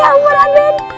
ya ampun andin